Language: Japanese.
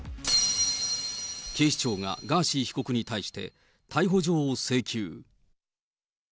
警視庁がガーシー被告に対して逮捕状を請求。